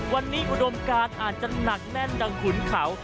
วันนี้อุดมการอาจจะหนักแน่นดังขุนเขา